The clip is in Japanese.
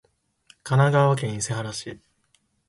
神奈川県伊勢原市